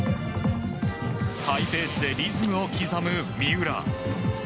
ハイペースでリズムを刻む三浦。